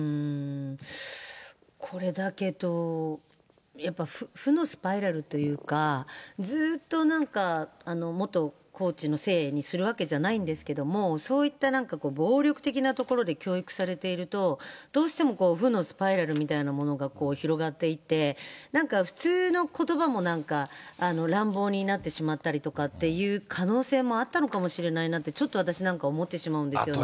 これ、だけど負のスパイラルというか、ずーっとなんか、元コーチのせいにするわけじゃないんですけども、そういったなんか暴力的なところで、教育されていると、どうしても負のスパイラルみたいなものが広がっていって、なんか普通のことばも乱暴になってしまったりとかっていう可能性もあったのかもしれないなって、ちょっと私なんか思ってしまうんですよね。